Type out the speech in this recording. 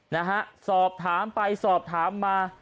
นะฮะสอบถามไปสอบถามมา